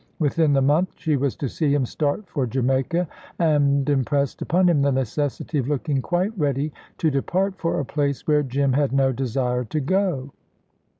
Within the month, she was to see him start for Jamaica, and impressed upon him the necessity of looking quite ready to depart for a place where Jim had no desire to go.